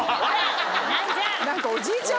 何かおじいちゃん